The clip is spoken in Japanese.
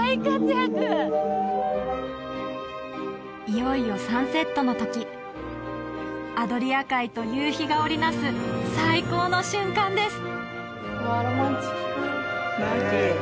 いよいよサンセットの時アドリア海と夕日が織りなす最高の瞬間です